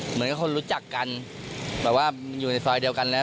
เหมือนกับคนรู้จักกันแบบว่าอยู่ในซอยเดียวกันแล้ว